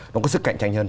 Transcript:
nó có sức cạnh tranh hơn